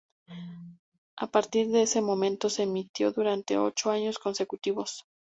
A partir de ese momento se emitió durante ocho años consecutivos.